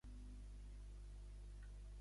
Dakota del Nord i Dakota del Sud.